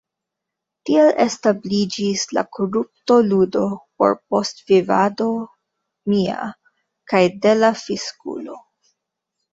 Tiel establiĝis la korupto-ludo, por postvivado mia kaj de la fiskulo!